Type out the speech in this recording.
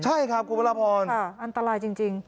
ใช่ครับคุณพระราพรอันตรายจริง